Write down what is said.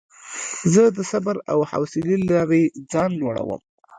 زه د صبر او حوصلې له لارې ځان لوړوم.